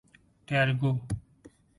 Telugu